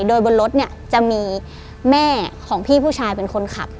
โดยบนรถเนี่ยจะมีแม่ของพี่ผู้ชายเป็นคนขับ